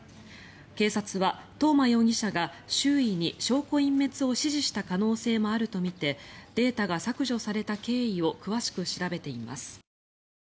警察は、東間容疑者が周囲に証拠隠滅を指示した可能性もあるとみてデータが削除された経緯を詳しく調べています。